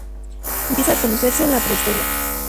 Empieza a conocerse la prehistoria.